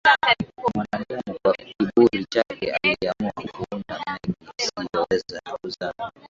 mwanadamu kwa kiburi chake aliamua kuunda meli isiyoweza kuzama